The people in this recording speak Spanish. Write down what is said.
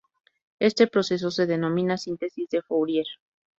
Este proceso se denomina síntesis de Fourier.